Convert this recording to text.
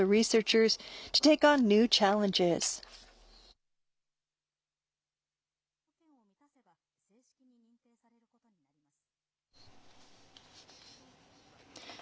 今後、一定の条件を満たせば、正式に認定されることになります。